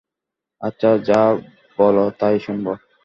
আচ্ছা, যা বল তাই শুনব!